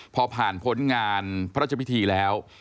พอผ่านพ้นงานพระราชพิธีแล้ว